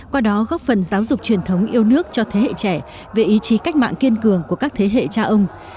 qua đó góp phần giáo dục truyền thống yêu nước cho thế hệ trẻ về ý chí cách mạng kiên cường của các thế hệ cha ông